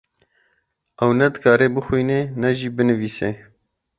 Ew ne dikare bixwîne ne jî binivîse.